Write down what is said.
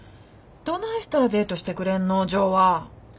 どないしたらデートしてくれんのジョーは！